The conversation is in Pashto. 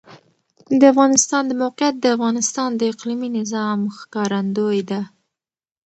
د افغانستان د موقعیت د افغانستان د اقلیمي نظام ښکارندوی ده.